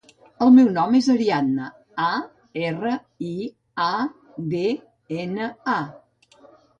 El meu nom és Ariadna: a, erra, i, a, de, ena, a.